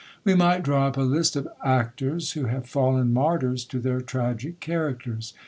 We might draw up a list of ACTORS, who have fallen martyrs to their tragic characters.